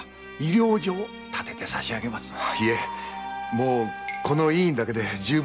もうこの医院だけで十分。